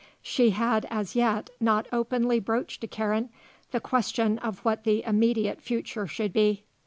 She had as yet not openly broached to Karen the question of what the immediate future should be.